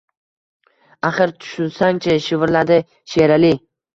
Axir, tushunsang-chi, shivirladi Sherali